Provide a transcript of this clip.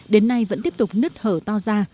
đến nay vẫn tiếp tục nứt hở to ra